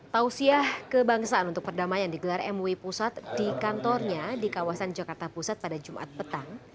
tausiah kebangsaan untuk perdamaian digelar mui pusat di kantornya di kawasan jakarta pusat pada jumat petang